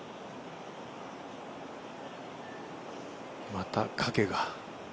また影が。